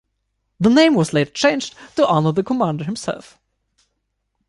The name was later changed to honor the commander himself.